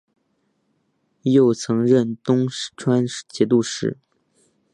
又曾任东川节度使。